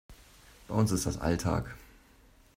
Bei uns ist das Alltag.